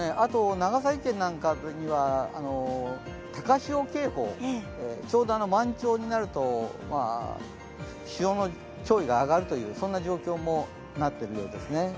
長崎県なんかには高潮警報ちょうど満潮になると潮の潮位が上がるというそんな状況にもなっているようですね。